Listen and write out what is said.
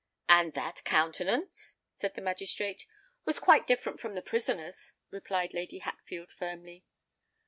"And that countenance?" said the magistrate. "Was quite different from the prisoner's," replied Lady Hatfield firmly.